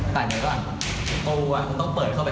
ขึ้นประตูไม่ได้